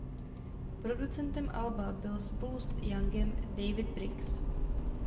Producentem alba byl spolu s Youngem David Briggs.